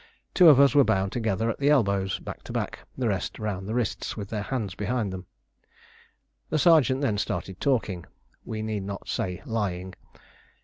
Two of us were bound together at the elbows, back to back; the rest round the wrists with their hands behind them. The sergeant then started talking we need not say lying.